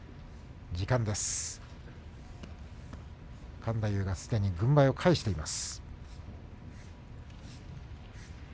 勘太夫がすでに軍配を返しています。